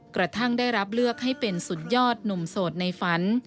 กระทั่งได้รับเลือกให้เป็นสุดยอดหนุ่มโสดในฝัน